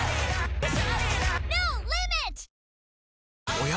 おや？